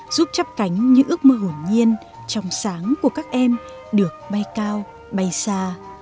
giúp chấp cánh những ước mơ hồn nhiên trong sáng của các em được bay cao bay xa